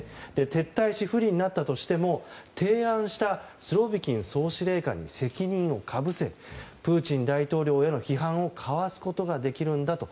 撤退し不利になったとしても提案したスロビキン総司令官に責任をかぶせプーチン大統領への批判をかわすことができるんだと。